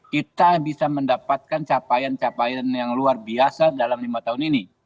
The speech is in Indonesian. kita bisa mendapatkan capaian capaian yang luar biasa dalam lima tahun ini